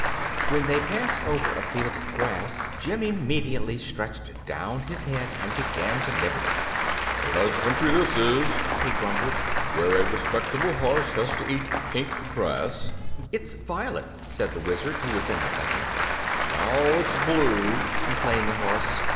When they passed over a field of grass Jim immediately stretched down his head and began to nibble. "A nice country this is," he grumbled, "where a respectable horse has to eat pink grass!" "It's violet," said the Wizard, who was in the buggy. "Now it's blue," complained the horse.